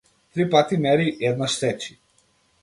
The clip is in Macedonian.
Три пати мери, еднаш сечи.